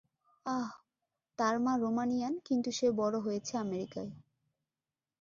আহহ, তার মা রোমানিয়ান কিন্তু সে বড় হয়েছে আমেরিকায়।